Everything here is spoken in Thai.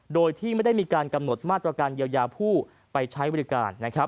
โดยที่ไม่ได้มีการกำหนดมาตรการเยียวยาผู้ไปใช้บริการ